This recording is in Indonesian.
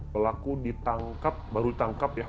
pelaku ditangkap baru ditangkap ya